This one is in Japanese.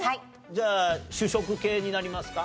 じゃあ主食系になりますか？